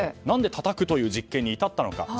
何でたたくという実験に至ったのか。